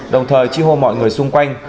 đồng thời chi hô mọi người xung quanh